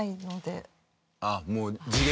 あっもう。